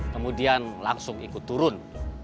kemudian langsung ikut turun